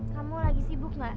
kamu lagi sibuk ga